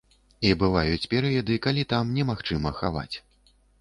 І бываюць перыяды, калі там немагчыма хаваць.